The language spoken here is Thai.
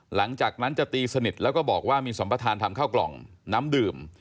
หลังจากนั้นจะตีสนิทแล้วก็บอกว่ามีสัมประธานทำข้าวกล่องน้ำดื่ม